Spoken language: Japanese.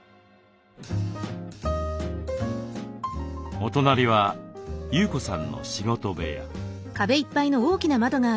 お隣は優子さんの仕事部屋。